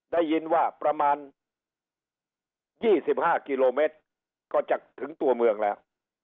ได้ยินว่าประมาณ๒๕กิโลเมตรก็จะถึงตัวเมืองแล้ว